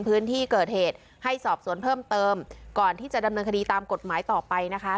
พื้นที่เกิดเหตุให้สอบสวนเพิ่มเติมก่อนที่จะดำเนินคดีตามกฎหมายต่อไปนะคะ